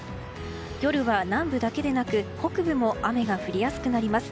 夜は南部だけでなく北部も雨が降りやすくなります。